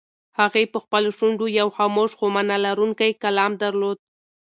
هغې په خپلو شونډو یو خاموش خو مانا لرونکی کلام درلود.